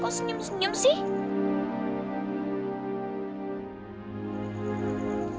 kok senyum senyum sih